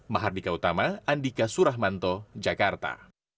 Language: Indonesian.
mahardika utama andika suramanto jakarta